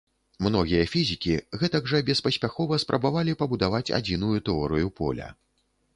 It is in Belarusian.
Многія фізікі гэтак жа беспаспяхова спрабавалі пабудаваць адзіную тэорыю поля.